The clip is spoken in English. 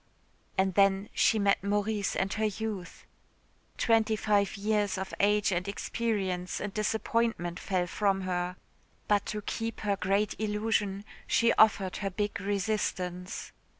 And then she met Maurice and her youth. Twenty five years of age and experience and disappointment fell from her. But to keep her great illusion she offered her big resistance....